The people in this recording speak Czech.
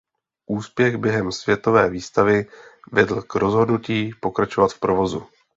Úspěch během světové výstavy vedl k rozhodnutí pokračovat v provozu.